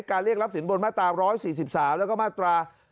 การเรียกลับสินบนมาตร๑๔๓แล้วก็มาตร๑๔๙